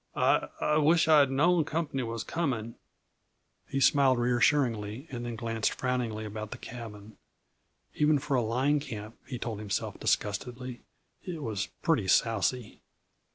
I I wish I'd known company was coming." He smiled reassuringly, and then glanced frowningly around the cabin. Even for a line camp, he told himself disgustedly, it was "pretty sousy."